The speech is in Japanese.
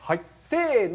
せの。